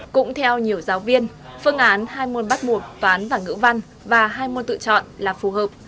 cũng theo nhiều giáo viên phương án hai môn bắt buộc toán và ngữ văn và hai môn tự chọn là phù hợp